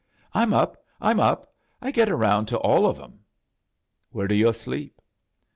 "I'm op! Fm op! I get around to all of *em." "'^lere do yo* sleep?"